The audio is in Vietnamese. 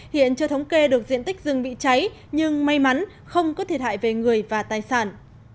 hiện chưa thống kê được diện tích rừng bị cháy nhưng may mắn không có thiệt hại về người và tài sản